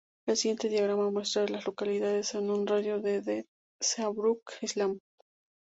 El siguiente diagrama muestra a las localidades en un radio de de Seabrook Island.